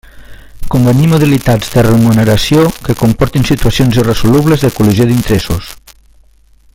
Convenir modalitats de remuneració que comportin situacions irresolubles de col·lisió d'interessos.